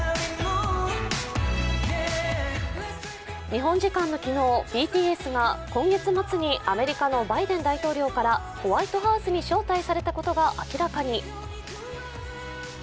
日本時間の昨日、ＢＴＳが今月末にアメリカのバイデン大統領からホワイトハウスに招待されたことが明らかに。